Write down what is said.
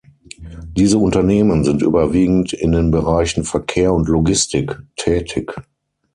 Diese Unternehmen sind überwiegend in den Bereichen Verkehr und Logistik tätig.